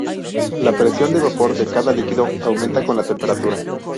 La presión de vapor de cada líquido aumenta con la temperatura.